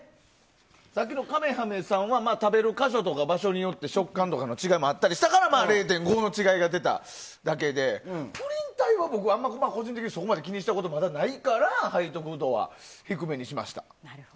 さっきにカメハメさんは食べる場所や箇所によって食感とかの違いもあったから０．５の違いが出ただけでプリン体は、僕は個人的に気にしたことがまだないから背徳度は低めにしました。